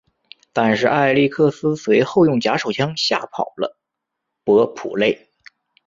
但是艾力克斯随后用假手枪吓跑了伯普雷。